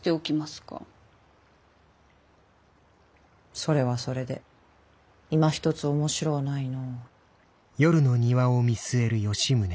それはそれでいまひとつ面白うないの。